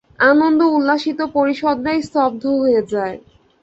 আনন্দ উল্লসিত পরিষদরা স্তব্ধ হয়ে যায়।